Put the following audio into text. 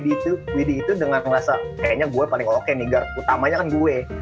si wd itu dengan ngerasa kayaknya gue paling oke nih guard utamanya kan gue